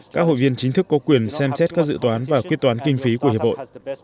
các hội viên chính thức có quyền xem xét các dự toán và quyết toán kinh phí của hiệp hội